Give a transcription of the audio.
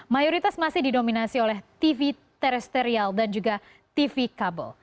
mayoritas masih didominasi oleh tv terestrial dan juga tv kabel